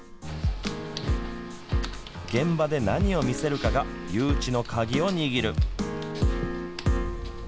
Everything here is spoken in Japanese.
現場で何を見せるかが誘致の鍵を握る。